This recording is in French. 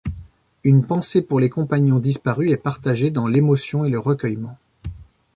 Une pensée pour les compagnons disparus est partagée dans l’émotion et le recueillement.